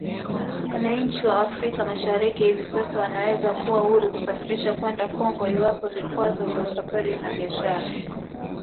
Wananchi wa Afrika Mashariki hivi sasa wanaweza kuwa huru kusafiri kwenda Kongo iwapo vikwazo vya kusafiri na biashara